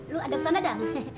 lu ada pesan ada